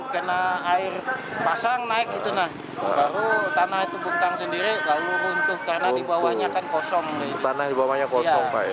karena di bawahnya kan kosong